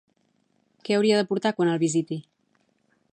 Què hauria de portar quan el visiti?